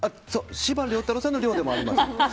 司馬遼太郎さんの「遼」でもあります。